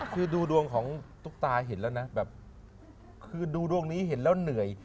คือดูดวงของตุ๊กตาเห็นแล้วนะแบบคือดูดวงนี้เห็นแล้วเหนื่อย